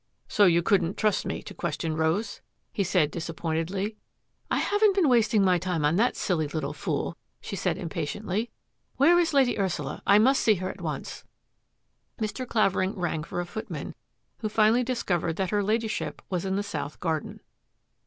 " So you couldn't trust me to question Rose? " he said disappointedly. " I haven't been wasting my time on that silly little fool," she said impatiently. " Where is Lady Ursula? I must see her at once." Mr. Clavering rang for a footman, who finally discovered that her Ladyship was in the south garden.